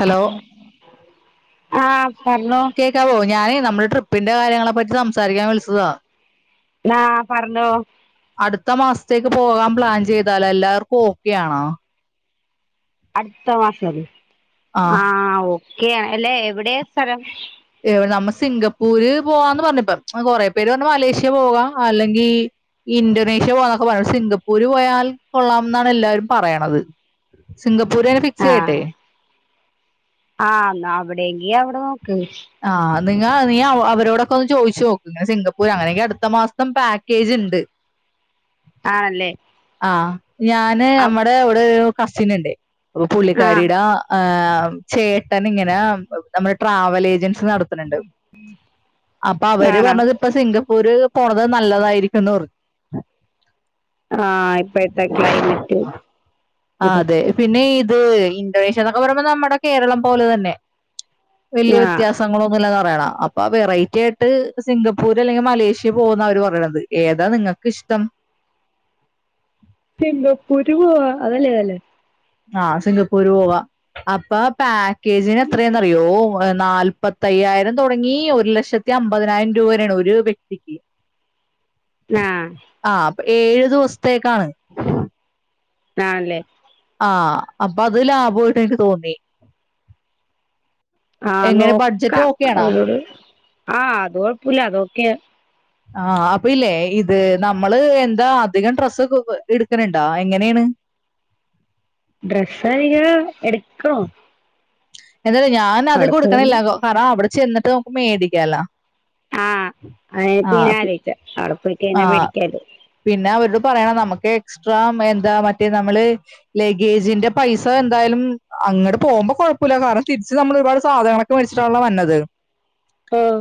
Hello ആഹ് പറഞ്ഞോ കേ വ ഞാനെ നമ്മുടെ ട്രിപ്പിന്റെ കാര്യങ്ങളെ പറ്റി സംസാരിക്കാൻ വിളിച്ചതാ ആ പറഞ്ഞോ അടുത്ത മാസത്തേക്ക് പോകാൻ പ്ലാൻ ചെയ്താല എല്ലാവർക്കും ഓക്കെ ആണാ അടുത്ത ആ മാസംആ ഓക്കെ അല്ലേ എവിടെ സ്ഥലം നമ്മ സിംഗപ്പൂര് പോവാന്ന് പറഞ്ഞപ്പ കൊറെ പേര് പറഞ്ഞ് മലേഷ്യ പോകാം അല്ലെങ്കിൽ ഇൻന്തോനേഷ്യ പോകന്നൊക്കെ സിംഗപ്പൂര് പോയാൽ കൊള്ളാം എന്നാണ് എല്ലാരും പറയണത് സിംഗപ്പൂർ തന്നെ ഫിക്സ് ചെയ്യട്ടേ ആഹ് ആഹ് അവിടെയെങ്കി അവിടെ നോക്ക് ആ നിങ്ങ നീ അവരോടൊക്കെ ഒന്ന് ചോദിച്ചു നോക്ക് സിംഗപ്പൂർ അങ്ങനെയൊക്കെ അടുത്ത മാസം പാക്കേജിണ്ട് ആണല്ലേ ആ ഞാന് അപ് നമ്മടെ അവിടെ കസിൻ ഇണ്ട് അപ്പൊ ആഹ് പുള്ളിക്കാരിടെ ആ ചേട്ടൻ ഇങ്ങനെ നമ്മുടെ ട്രാവൽ ഏജൻസി നടത്ത അപ്പൊ അവര് ആണോ പറഞ്ഞത് ഇപ്പൊ സിംഗപ്പൂര് പോണത് നല്ലതായിരിക്കും തോന്ന് ആഹ് ഇപ്പത്തെ ക്ലൈമറ്റ് ഇത അത് ഇന്തോനേഷ്യ എന്നൊക്കെ പറയുമ്പോ നമ്മുടെ കേരളം പോലെ തന്നെ വലിയ ആഹ് പ്രസങ്ങളൊന്നും ഇല്ലാന്ന പറയണ അപ്പൊ വെറൈറ്റി ആയിട്ട് സിംഗപ്പൂര് അല്ലെങ്കിൽ മലേഷ്യൽ പോകുന്ന അവര് പറയണത് ഏതാ നിങ്ങക്കിഷ്ടം സിംഗപ്പൂർ പോവാ അതല്ലേ നല്ലത് ആഹ് സിംഗപ്പൂര് പോവാ അപ്പൊ പാക്കേജിന് എത്രയാന്ന് അറിയോ നാല്പത്തയ്യായിരം തുടങ്ങി ഒരു ലക്ഷത്തി അമ്പതിനായിരം രൂപ വരെയാണ് ഒരു വ്യക്തിക്ക് ആഹ് ആഹ് അപ്പൊ ഏഴു ദിവസത്തേക്കാണ് ആണല്ലേ ആഹ് അപ്പൊ അത് ലാഭായിട്ട് എനിക്ക് തോന്നി ആഹ് എങ്ങനെ ബഡ്ജറ്റ് നോക്കാം ഓക്കെയാണാ അവരോട് ആഹ് അത് കൊഴപ്പില്ല അതൊക്കെ ആഹ് അപ്പൊ ഇല്ലേ ഇത് നമ്മള് എന്താ അധികം ഡ്രസ്സ് എടുക്കണിണ്ടാ എങ്ങനെയാണ് ഡ്രെസ്സ് അധികം എടുക്കണോ എന്നാല് ഞാൻ അത് അവിടെ കൊടുക്കണില്ല പോയാല് കാരണം അവിടെ ചെന്നിട്ട് നമക്ക് മേടിക്കാല്ലോ ആഹ് [unintelligible] അവിടെ പോയി കഴിഞ്ഞാ ആഹ് മേടിക്കാല്ലോ പിന്നെ അവരോട് പറയണം നമുക്ക് എക്സ്ട്രാ എന്താ മറ്റേ നമ്മള് ലഗേജിന്റെ പൈസ എന്തായാലും അങ്ങട്ട് പോമ്പോ കുഴപ്പില്ല കാരണം തിരിച്ച് നമ്മള് ഒരുപാട് സാധനങ്ങളൊ ച്ചിട്ടാണല്ലൊ വന്നത് ഓഹ്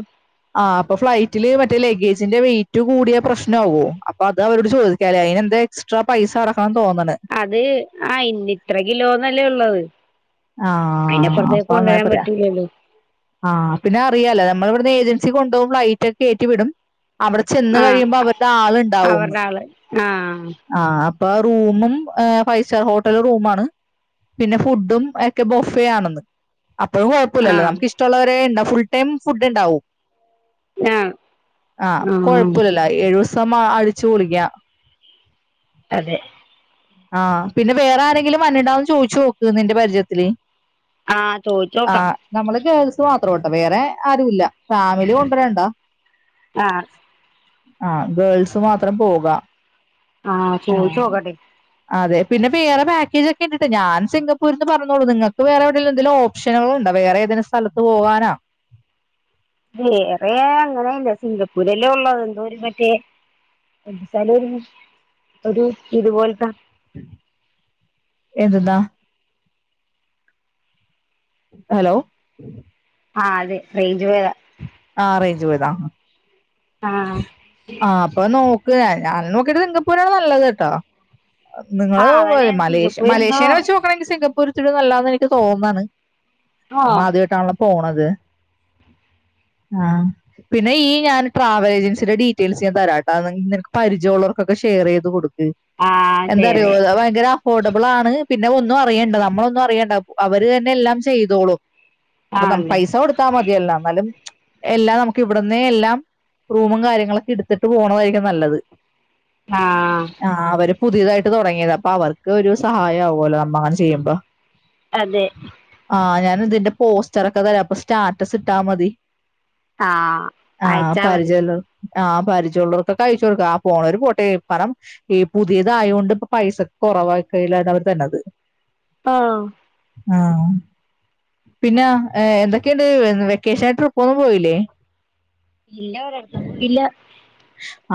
ആ അപ്പ ഫ്ലൈറ്റില് മറ്റേ ലഗേജിന്റെ വെയിറ്റ് റ്റ് കൂടിയ പ്രശ്നാവോ അപ്പൊ അത് അവരോട് ചോദിക്കാലേ അതിനെന്താ എക്സ്ട്രാ പൈസ അടക്കണന്ന് തോന്നണ് അത് ആ ഇന്ന ഇത്ര കിലോന്നല്ലേ ഉള്ളത് ആ അയിന് അപ്പുറത്തേക്ക് അപ്പൊ അങ്ങനെ കൊണ്ടുവരാൻ പറയാ പറ്റൂല്ലല്ലോ ആ പിന്നെ അറിയാലോ നമ്മള് ഇവിടുന്ന് ഏജൻസി കൊണ്ട് പോകും ഫ്ലൈറ്റേ കേറ്റി വിടും അവിടെ ചെന്ന് ആഹ് കഴിയുമ്പോ അവരുടെ ആൾ ഇണ്ടാവന്ന് അവരുടെ ആള് ആഹ് ആ അപ്പൊ റൂമും ഫൈവ് സ്റ്റാർ ഹോട്ടൽ റൂ ആണ് പിന്നെ ഫുഡും ക്കെ ബൊഫേ ആണെന്ന് അപ്പോഴും കുഴപ്പുല്ല്യല്ലോ ആഹ് നമുക്ക് ഇഷ്ടള്ളരെ ഉണ്ടാവും ഫുൾ ടൈം ഫുഡ് ഉണ്ടാവും ആഹ് ആഹ് കൊഴപ്പില്ലല്ലോ ഏഴുസം അടിച്ചു പൊളിക്കാം അതെ ആ പിന്നെ വേറെ ആരെങ്കിലും വെര്ണ്ടാന്ന് ചോയിച്ചു നോക്ക് നിന്റെ പരിചയത്തില് ആഹ് ആ ചോയ്ചോക്കാം നമ്മള് ഗേൾസ് മാത്രംട്ടോ വേറെ ആരുല്ല ഫാമിലി കൊണ്ടുരണ്ട ആഹ് ആഹ് ഗേൾസ് മാത്രം പോക ആഹ് ചോയ്ച്ചോക്കട്ടെ അതെ പിന്നെ വേറെ പാക്കേജ് ഒക്കെ ഇണ്ടിട്ടൊ ഞാൻ സിംഗപ്പൂര്ന്ന് പറഞ്ഞോളൂ നിങ്ങക്ക് വേറെ എവിടേലും എന്തേലും ഓഫ ഓപ്ഷനുകളുണ്ടോ വേറെ ഏതേലും സ്ഥലത്ത് പോവാനോ വേറെ യാ അങ്ങനെയില്ല. സിംഗപ്പൂരല്ലേ ഉള്ളത് എന്തോ ഒരു മറ്റേ [unintelligible] ഒരു ഇതുപോൽത്ത എന്ത് ന്ന? ഹലോ ആഹ് അതെ. റേഞ്ച് പോയതാ ആഹ് റേഞ്ച് പോയതാ ഹാ. ആഹ് ആഹ് അപ്പം നോക്ക് ഞാൻ നോക്കിയിട്ട് സിങ്കപ്പൂരാണ് നല്ലത് ട്ടോ. നിങ്ങള് ആഹ് അതന്നെ മലേഷ്യ സിംഗപ്പൂര് എന്തോ മലേഷ്യേനെ വെച്ച് നോ ക്കുമ്പം എനിക്ക് സിംഗപ്പൂർ ഇച്ചിരൂടെ നല്ലാന്ന് എനിക്ക് തോന്നണ്. നമ്മ ആഹ് ആദ്യായിട്ടാണല്ലോ പോണത്, ആഹ് പിന്നെ ഈ ഞാൻ ട്രാവൽ ഏജൻസിയുടെ ഡീറ്റെയിൽസ് ഞാൻ തരാട്ടാ. നിങ്ങ നിനക്ക് പരിചയള്ളാർക്കൊക്കെ ഷെയർ ചെയ്ത് കൊടുക് ക്ക്. ആഹ് എന്താറിയോ ശരി അത് ഭയങ്കര അഫോർഡബിൾ ആണ് പിന്നെ ഒന്നും അറിയണ്ട. നമ്മളൊന്നും അറിയണ്ട അവര് തന്നെ എല്ലാം ചെയ്തോളും. അപ്പം നമ് ആണല്ലേ പൈസ കൊടു ത്താ മതിയല്ല അന്നാലും എല്ലാം നമുക്ക് ഇവിടുന്നേ എല്ലാം റൂമും കാര്യങ്ങളൊക്കെ ഇട്ത്തിട്ട് പോണതായിരിക്കും നല്ലത്. ആഹ് ആഹ് അവര് പുതിയതായിട്ട് തൊടങ്ങിയതാ. അപ്പൊ അവർക്ക് ഒരു സഹായം ആവോല്ലോ നമ്മളങ്ങനെ ചെയ്യുമ്പം അതെ ആഹ് ഞാൻ ഇതിന്റെ പോസ്റ്റർ ഒക്കെ തരാ അപ്പൊ സ്റ്റാറ്റസ് ഇട്ടാ മതി ആഹ് ആഹ് അയച്ചാ മതി പരിചയല്ലൊ ആഹ് പരിചയള്ളോർക്കൊക്കെ അയച്ചു കൊടുക്ക് ആഹ് പോണോര് പോട്ടെ [unintelligible] ഈ പുതിയതായോണ്ട് ഇപ്പ പൈസക്ക് കൊറവാക്കലിലാണ് അവർ തര്നത്. ആണോ ആഹ്. പിന്നെ എന്തൊക്കെണ്ട് വെക്കേഷൻ ട്രി പ്പൊന്നും പോയിലേ? ഇല്ല ഒരട്ത്തൊന്നും ഇല്ല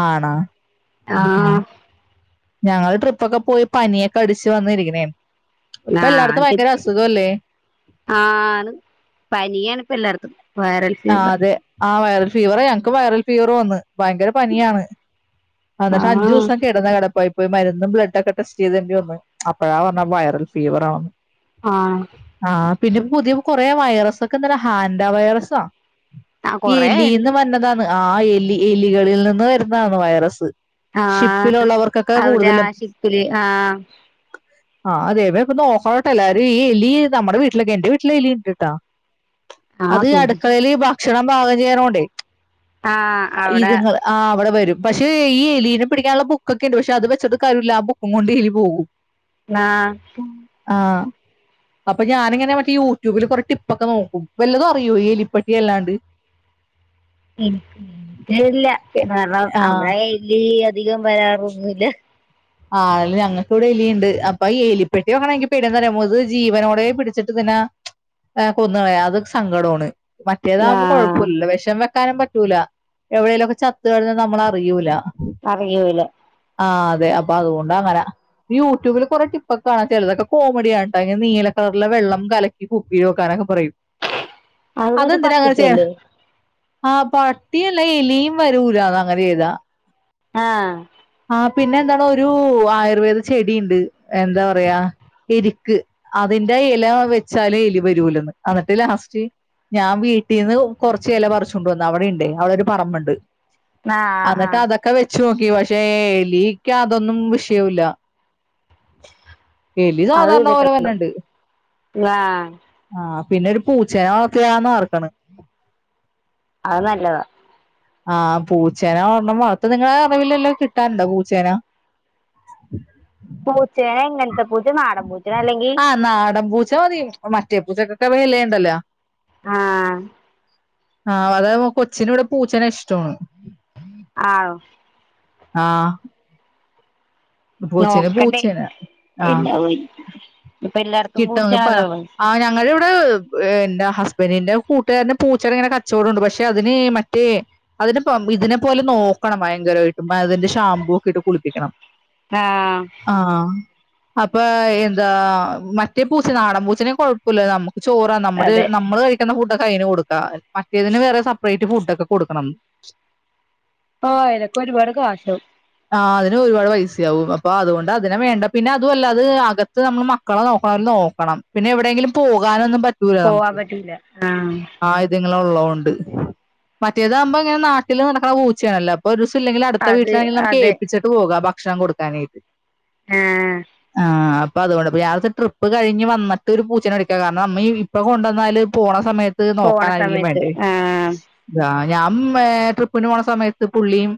ആണോ, മ് ഹാ ആഹ് ഞങ്ങൾ ട്രിപ്പൊക്കെ പോയി പനിയൊക്കെ അടിച്ചു വന്നിരിക്ക്ണേ ണ്. ഇപ്പ എല്ലാടത്തും നാട്ടി ഭയങ്കര അസുഖല്ലേ? ആണ് പനിയാണ് ഇപ്പ എല്ലാടത്തും, ആഹ് അതെ ആഹ് വൈറൽ ഫീവറ് ഞങ്ങക്ക് വൈറൽ ഫീവറ് വന്ന് ഭയങ്കര പനിയാണ്, അന്നട്ട് ആഹ് അഞ്ചൂസ് സം കിടന്ന കെടപ്പായി പോയി മരുന്നും ബ്ലഡ്ഡോക്കെ ടെസ്റ്റ് ചെയ്തേണ്ടി വന്ന്. അപ്പഴാ പറഞ്ഞേ വൈറൽ ഫീവറാണെന്ന് ആണൊ ആഹ് പിന്നെ ഇപ്പ പുതിയ കൊറെ വൈറസൊക്കെ ഇന്നലെ ഹാൻഡ വൈറസൊ ആഹ് ഈ കൊറേ ഇണ്ട് എലീന്ന് വരുന്നതാണ് ആഹ് എലി എലികളിൽ നിന്ന് വരുന്ന ആന്ന് വൈറസ് ആഹ് ഷിപ്പിലുള്ളവർക്കൊക്കെ അവിടെ ആ കൂടുതലും ഷിപ്പില് ആഹ് ആഹ് അതെ ബേ പ്പ നോക്കണട്ടോ എല്ലാരും ഈ എലി നമ്മടെ വീട്ടിലൊക്കെ എന്റെ വീട്ടിലും എലി ഉണ്ട്ട്ടാ ആഹ് അത് സൂക്ഷിച്ചോ അടുക്കളയില് ഭക്ഷണം പാകം ചെയ്യണോണ്ടേ ആഹ് അവിടെ ഇതുങ്ങള് ആഹ് അവട വരും പ റ്റ് ഈ എലീനെ പിടിക്കാനുള്ള ബുക്കൊക്കെ ഉണ്ട് പക്ഷെ അത് വെച്ചിട്ടും കാര്യല്ല ആ ബുക്കുംകൊണ്ട് എലി പോകും. ന്നാ ആഹ് അപ്പം ഞാനിങ്ങനെ മറ്റേ യൂട്യൂബില് കുറെ ടിപ്പൊക്കെ നോക്കും വല്ലതും അറിയോ എലിപ്പട്ടി അല്ലാണ്ട് [inaudible] എനിക്കറിയില്ല എ- കാരണം ആ നമ്മടെ കയ്യില് അധികം വരാറൊന്നു ഇല്ല ആഹ് അതല്ല ഞങ്ങക്ക് ഇവടെ എലിയുണ്ട് അപ്പ ഈ എലിപ്പെട്ടി [unintelligible] ഇത് ജീവനോടെ പിടിച്ചിട്ട് ഇതിന ഏഹ് കൊന്ന് കളയാ അത് സങ്കടാണ് മറ്റേതാകുമ്പം ആഹ് കുഴപ്പല്ലല്ലൊ വെഷം വെ ക്കാനും പറ്റൂല എവിടെലൊക്കെ ചത്ത് കിടന്നാ നമ്മളറിയൂല അറിയൂല ആഹ് അതെ അപ്പൊ അതുകൊണ്ട് അങ്ങന ഈ യൂട്യൂബിൽ കുറെ ടിപ്പൊക്കെ കാണാ ചിലതൊക്കെ കോമഡിയാണ് ട്ടാ. ഇനി നീല കളറില് വെള്ളം കല ഈ കുപ്പിയോക്കാനൊക്ക പറയും അത് മറ്റേ അതെന്തിനാ അങ്ങനെ ചെയ്യ്ണ പട്ടിക്കല്ലേ ആഹ് പട്ടിയല്ല എലിയും വരൂല അങ്ങനെ ചെയ്താ ആഹ് ആഹ് പിന്നെന്താണ് ഒരൂ ആയുർവേദ ചെടീണ്ട് എന്ത പറയാ എരിക്ക് അതിന്റെ ഇല വെച്ചാല് എലി വരൂലന്ന് അന്നിട്ട് ലാസ്റ്റ് ഞാൻ വീ ട്ടീന്ന് കൊറ്ച്ച് എല പറ്ച്ചോണ്ട് വന്ന് അവിടെ ഇണ്ട് അവിടൊരു പറമ്പ്ണ്ട് ആഹ് അന്നിട്ട് ആഹ് അതൊക്കെ ഒക്കെ വെച്ചു നോക്കി പഷേ എലിക്ക് അതൊന്നും വിഷയൊല്ല എലി അത് സാധാര്ണ പോലെ ചെയ്തിട്ടുണ്ട് വര്ണ്ണ്ട് ആഹ് ആഹ് പിന്നൊരു പൂച്ചനെ വളർത്തിയാ അത് നല്ലതാ ആഹ് പൂച്ചേനെ ഒരെണ്ണം വളത്ത് നിങ്ങളെ അറിവില്ലല്ലെ കിട്ടാനുണ്ടൊ പൂച്ചേനെ [inaudible] പൂച്ചേനെ എങ്ങൻത്തെ പൂച്ച നാടൻ പൂച്ചെ അല്ലെങ്കി ആ നാടൻപൂച്ച മതി മറ്റേ പ്പൂച്ചക്കൊക്കെ വിലേണ്ടല്ലോ ആഹ് ആഹ് അതാ കൊച്ചിനു ഇവടെ പൂച്ചനെ ഇഷ്ടവാണ് ആണോ ആഹ് നോക്കട്ടെ പൂച്ചേനെ ആ ഇപ്പ എല്ലാട്ത്തും പൂച്ച കിട്ടുമെങ്കിൽ പറ ആ ഞങ്ങള് ഇവടേ ഇന്റെ ഹസ്ബന്റിന്റെ കൂട്ടുകാരന് പൂച്ചടെ ഇങ്ങന കച്ചോടണ്ട് പക്ഷെ അതിന് മറ്റെ അതിനെ [unintelligible] പോലെ നോക്കണം ഭയങ്കരമായിട്ടും അതിന്റെ ഷാംമ്പൂ ഒക്കെ ഇട്ട് കുളിപ്പിക്കണം ആഹ് അഹ് അപ്പൊ എന്താ മറ്റെ പൂച്ച നാടൻ പൂച്ചെനെ കൊഴപ്പല്ല നമുക്ക് ചോറാ നമ്മള് അതെ നമ്മള് കഴിക്കുന്ന ഫുഡൊക്കെ അതിന് കൊടുക്കാ മറ്റേതിന് വേറെ സെപ്പറേറ്റ് ഫുഡ് ഒക്കെ കൊടുക്കണം ആഹ് അയ്നൊക്കെ ഒരുപാട് കാശാവും ആഹ് അതിന് ഒരുപാട് പൈസയാവും അപ്പൊ അതുകൊണ്ട് അതിനെ വേണ്ട പിന്നെ അതുവല്ല അത് അകത്ത് നമ്മൾ മ മക്കളെ നോക്കണപോലെ നോക്കണം പിന്നെ എവിടെങ്കിലും പോകാനൊന്നും പറ്റ പോവാൻ പറ്റില്ല ആഹ് ആഹ് ഇത്ങ്ങൾ ഒള്ളോണ്ട് മറ്റേതാവുമ്പോ ഇങ്ങനെ നാട്ടിൽ നടക്കണ പൂച്ചയാണല്ലോ ഒരുവസ ഇല്ലെങ്കിലും അടുത്ത അത് വീട്ടിലാണെങ്കില് നമു അതെ ച്ചിട്ട് പോകാം ഭക്ഷണം കൊടുക്കാനായിട്ട് ആഹ് ആഹ് അപ്പൊ അതോണ്ടിപ്പ രാവിലത്തെ ട്രിപ്പ് കഴിഞ്ഞ് വന്നിട്ട് ഒരു പൂച്ചേനെ വേടിക്കാം കാരണം നമ്മ ഈ ഇപ്പ കൊണ്ട് വന്നാല് പോണ സമയ ഇത് പോണ നോക്കാനാരെങ്കിലും സമയത്ത് വേണ്ടേ ആഹ് രാ ഞമ്മേ ട്രിപ്പിന് പോണ സമയത്ത് പുള്ളിയും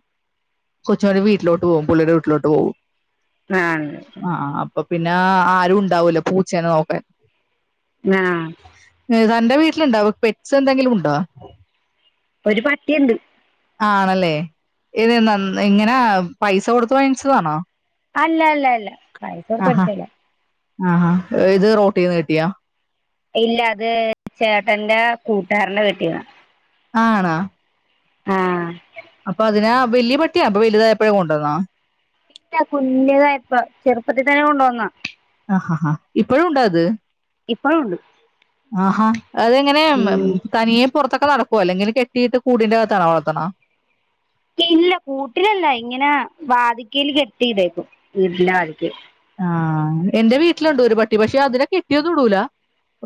ഉച്ച കഴി വീട്ടിലോട്ട് പോവും പുള്ളീടെ വീട്ടിലോട്ട് പോവും ആണ് ആഹ് -ആഹ് അപ്പൊ പിന്നാ ആരും ഇണ്ടാവോലൊ പൂച്ചേനെ നോക്കാൻ ങ്ങാ നെയ്സാറിന്റെ വീട്ടില്ണ്ടാ പെറ്റ്സ് എന്തെങ്കിലും ഉണ്ടൊ ഒരു പട്ടിയ്ണ്ട് ആണല്ലേ ഇതീന്നൊന്ന് ഇങ്ങനാ പൈസ കൊടുത്ത് വാങ്ങിച്ചതാണൊ അല്ലല്ലല്ല പൈസ കൊടുത്ത് വേടിച്ചയല്ല ആഹ് ഇത് റോട്ടീന്ന് കിട്ടിയാ ഇല്ല അത് ചേട്ടന്റെ കൂട്ടുകാരന്റെ വീട്ടീന്നാ ആണാ ആഹ് അപ്പ അതിനാ വലിയ പട്ടിയാ അപ്പൊ വലുതായപ്പഴേ കൊണ്ടുവന്നാ ഇല്ല കുഞ്ഞതായപ്പ ചെറുപ്പത്തി തന്നെ കൊണ്ടുവന്നാ അഹ് ഹ ഹ ഇപ്പഴും ഉണ്ട അത് ഇപ്പളൂണ്ട് ആഹാ അതെങ്ങനെയാ ഉം തനിയെ പൊറത്തൊക്കെ നടക്കുവോ അല്ലെങ്കിൽ കെട്ടിയിട്ട് കൂടിന്റെകത്താണോ വളർത്തണെ ഇല്ല കൂട്ടിലല്ല ഇങ്ങനെ വാതിക്കേൽ കെട്ടിയിടുവാരുന്നു വീടിന്റെ വാതിക്കെ ആഹ് എന്റെ വീട്ടില് ഒണ്ടൊരു പട്ടി പക്ഷെ അതിനെ കെട്ടിയൊന്നും ഇടൂല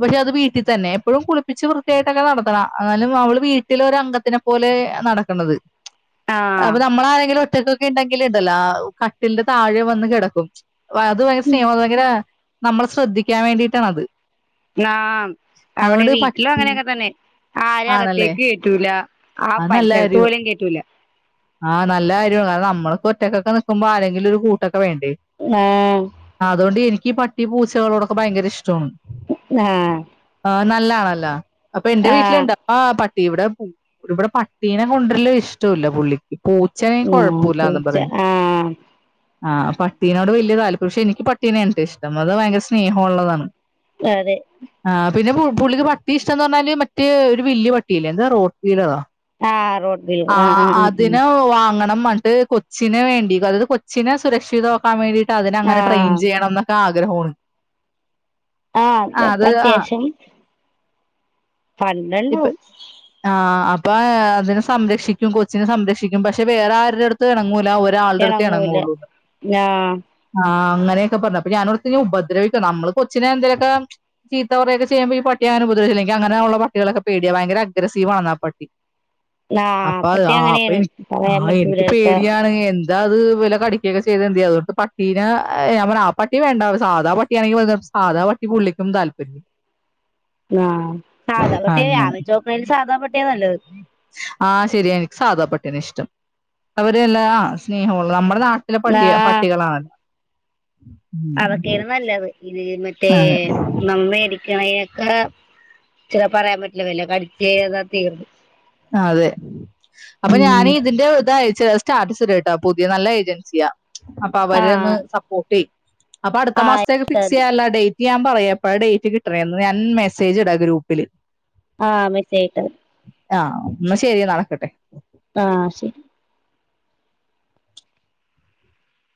പക്ഷെ അത് വീട്ടി തന്നെ എപ്പഴും കുളിപ്പിച്ച് വൃത്തിയായിട്ടൊക്കെ നടത്തണ എന്നാലും അവള് വീട്ടിലൊരംഗത്തിനെ പോലെ നടക്കണത് അപ്പ ആഹ് നമ്മൾ ആരെങ്കിലും ഒറ്റക്കൊക്കെ ഉണ്ടെങ്കിലിണ്ടല്ലാ കട്ടിലിന്റെ താഴെ വന്ന് കെടക്കും വ അത് ഭയങ്കര സ്നേഹ [unintelligible] നമ്മള് ശ്രദ്ധിക്കാൻ വേണ്ടിയിട്ടാ അത് നാം അവിടെ വീട്ടിലും പട്ടി അങ്ങനെയൊക്കെ തന്നെ ആരെയും ആണല്ലേ അകത്തേക്ക് കേറ്റൂല ആഹ് പരിസരത്ത് പോലും കേറ്റൂല ആഹ് നല്ല കാര്യാണ് അത് കാരണം നമ്മളൊക്കെ ഒറ്റക്കൊക്കെ നിക്കുമ്പോ ആരെങ്കിലൊരു കൂട്ടൊക്കെ വേണ്ടേ [unintelligible] ആഹ് അതുകൊണ്ട് എനിക്ക് പട്ടി പൂച്ചകളോടൊക്കെ ഭയങ്കര ഇഷ്ടാണ് ആഹ് ആഹ് നല്ലയാണല്ല അപ്പൊ എന്റെ ആഹ് വീട്ടിലുണ്ടാ ആഹ് പട്ടി ഇവിടെ ഇവിടെ പട്ടീനെ കൊണ്ടരല് ഇഷ്ടവില്ല പുള്ളിക്ക് പൂ ച്ചായി ഉം കൊഴപ്പ ഇല്ലാന്ന് പൂച്ച പറഞ്ഞ് ആഹ് ആഹ് പട്ടീനോട് വലിയ താല്പര്യം പക്ഷേ എനിക്ക് പട്ടീനെ ആണ്ട്ടോ ഇഷ്ടം അത് ഭയങ്കര സ്നേഹ ഒള്ളതാണ് അതെ ആഹ് പിന്നെ പു പുള്ളിക്ക് പട്ടിയെ ഇഷ്ടവാന്ന് പറഞ്ഞാല് മറ്റേ ഒരു വല്ലിയ പട്ടിയില്ലേ എന്താ റോട്ട് വീലറോ ആഹ് റോട്ട് ആഹ് അതിനെ വാങ്ങണം പണ്ട് കൊച്ചിനെ വേണ്ടി അതായത് കൊച്ചിനെ സുരക്ഷിതവാ ക്കാൻ വേണ്ടീട്ട് അതിനെ ആഹ് അങ്ങനെ ട്രെയിൻ ആഹ് ചെയ്യണംന്നൊക്കെ ആഗ്രഹവുണ്ട് ആഹ് അതെ ഇപ്പ അത്യാവശ്യം പല്ലണ്ടാവും ആഹ് അപ്പൊ അതിനെ സംരക്ഷിക്കും കൊച്ചിനെ സംരക്ഷിക്കും പക്ഷെ വേറെ ആരുടെ എടുത്തും എണങ്ങൂല ഒ ഒരാളുടെ എടുത്തേ എണങ്ങൂല എണങ്ങോളൂ ആഹ് ആഹ് അങ്ങനൊക്കെ പറഞ്ഞു അപ്പ ഞാനോർത്തു ഇനി ഉപദ്രവിക്കോ നമ്മള് കൊച്ചിനെ എന്തേലൊക്കെ [unintelligible] ചീത്തപറയൊക്കെ ചെയുമ്പോ ഈ പട്ടിയെങ്ങാനും ഉപദ്രവിച്ചാലോ എനിക്ക് അങ്ങനെ ഒള്ള പ കുട്ടികളൊക്കെ പേടിയ ഭയങ്കര അഗ്രസീവ് ആന്ന് ആഹ് പട്ടി ആഹ് അപ്പഹ് പട്ടി ആഹ് അപ്പ അങ്ങനെയാണ് പറയാൻ ആഹ് പറ്റൂല എനിക്ക് ചെലപ്പോ പേടിയാണ് എ ഇതാ അത് വല്ല കടിക്കൊക്കെ ചെയ്തെന്തിയ്യ അതുകൊണ്ട് പട്ടീനേ ഞാ പറഞ്ഞു ആഹ് പട്ടി വേണ്ടാ ഒര് സാധാ പട്ടി ട്ടിയാണെങ്കി [unintelligible] സാധാ പട്ടി പുള്ളിക്കും താല്പര്യം ആഹ് സാധാ പട്ടിയ അങ്ങനെ ആലോയ്ച്ചോക്കാണെങ്കി സാധാ പട്ടിയ നല്ലത് ആഹ് ശരിയ എനിക്ക് സാധാ പട്ടിനെ ഇഷ്ടം അവരല്ല ആഹ് സ്നേഹവുള്ള നമ്മടെ നാട്ടി [unintelligible] ആഹ് പട്ടികളാണ് അതൊക്കെയാണ് നല്ലത് ഇത് മറ്റേ അതെ നാം മേടി കിണയക്ക്‌ ചില പറയാൻ പറ്റില്ല വല്ല കടിച്ചേന്നാ തീർന്നു അതെ അപ്പൊ ഉം ഞാന് ഇതിന്റെ ഇതയച്ച അഹ് സ്റ്റാറ്റസ്ട്ട്ടോ പുതിയ നല്ല ഏജൻസിയാ അപ്പൊ അവരെയൊന്ന് ആഹ് സപ്പോർട്ട്യ്യ് അപ്പൊ അടുത്ത ആഹ് മാസത്തേക്ക് ഫിക്സീയ്യാലോ ഡേറ്റ് ഞാൻ പറയാ എപ്പഴാ ഡേറ്റ് കിട്ടണേന്ന് ഞാൻ മെസ്സേജ് ഇടാ ഗ്രൂപ്പില് ആഹ് [unintelligible] ആഹ് ന്നാ ശരി നടക്കട്ടെ ആഹ് ശരി